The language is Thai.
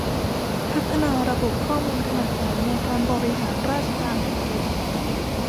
พัฒนาระบบข้อมูลขนาดใหญ่ในการบริหารราชการแผ่นดิน